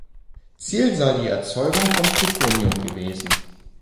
Ziel sei die Erzeugung von Plutonium gewesen.